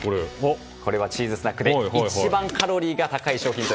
これはチーズスナックで一番カロリーが高い商品で